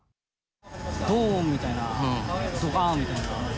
どーんみたいな、どかーんみたいな。